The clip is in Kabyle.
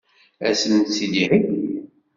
Ad sent-tt-id-iheggi?